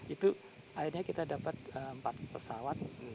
itu akhirnya kita dapat empat pesawat